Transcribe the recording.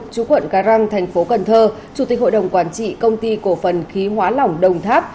chú quận cà răng tp cn chủ tịch hội đồng quản trị công ty cổ phần khí hóa lỏng đồng tháp